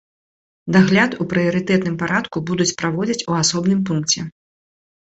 Дагляд у прыярытэтным парадку будуць праводзіць у асобным пункце.